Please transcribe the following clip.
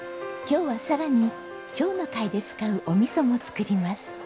今日はさらに笑の会で使うお味噌も作ります。